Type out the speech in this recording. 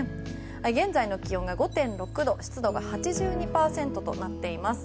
現在の気温が５．６度湿度が８２％となっています。